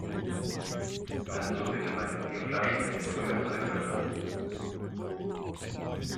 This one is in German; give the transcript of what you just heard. Kannst du bitte meine Bierflasche mit dem Feuerzeug öffnen?